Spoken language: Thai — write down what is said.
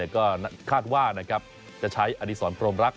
ก็คาดว่าจะใช้อดีศรพรมรัก